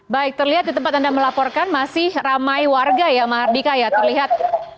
baik terlihat di tempat anda melaporkan masih ramai warga ya mahardika ya terlihat